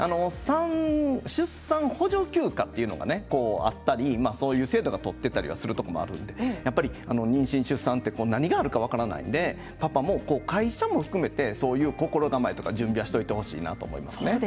出産補助休暇というのがあったりそういう制度を取っていたりするところもあるので妊娠、出産で何があるのか分からないのでパパも会社も含めてそういう心構え準備はしてほしいなと思いますね。